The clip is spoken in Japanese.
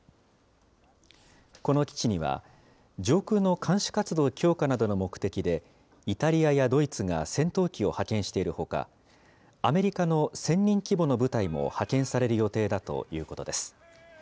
この基地には、上空の監視活動強化などの目的で、イタリアやドイツが戦闘機を派遣しているほか、アメリカの１０００人規模の部隊も派遣される予定だということです。